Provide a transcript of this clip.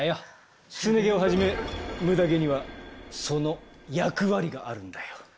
すね毛をはじめムダ毛にはその役割があるんだよ。